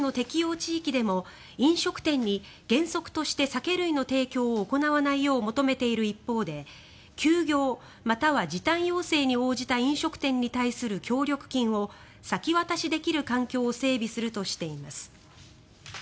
地域でも飲食店に原則として酒類の提供を行わないよう求めている一方で休業または時短要請に応じた飲食店に対する協力金を先渡しでできる環境を整備するとしています。